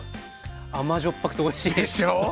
甘じょっぱくておいしい！でしょう。